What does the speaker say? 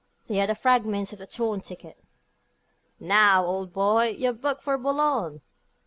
They are the fragments of the torn ticket. "Now, old boy! You're booked for Boulogne."